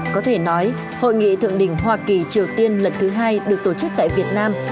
có thể nói hội nghị thượng đỉnh hoa kỳ triều tiên lần thứ hai được tổ chức tại việt nam